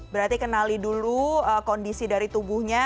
berarti kenali dulu kondisi dari tubuhnya